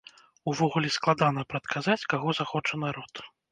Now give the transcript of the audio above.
Увогуле, складана прадказаць, каго захоча народ.